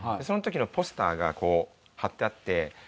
その時のポスターがこう貼ってあって。